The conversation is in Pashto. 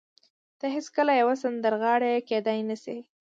ته هېڅکله يوه سندرغاړې کېدای نه شې.